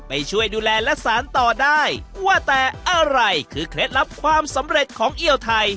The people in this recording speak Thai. ไปช่วยดูแลและสารต่อได้ว่าแต่อะไรคือเคล็ดลับความสำเร็จของเอี่ยวไทย